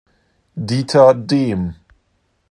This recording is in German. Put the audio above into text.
Dieter Dehm